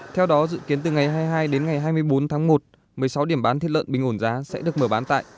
theo đó dự kiến từ ngày hai mươi hai đến ngày hai mươi bốn tháng một một mươi sáu điểm bán thịt lợn bình ổn giá sẽ được mở bán tại